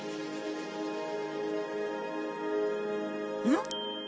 ん？